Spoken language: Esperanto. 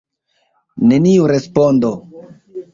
Neniu respondo!